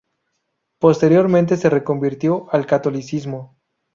Posteriormente se reconvirtió al catolicismo.